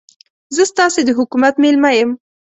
زه ستاسې د حکومت مېلمه یم.